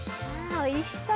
おいしそう！